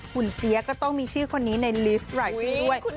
เสียก็ต้องมีชื่อคนนี้ในลิสต์รายชื่อด้วย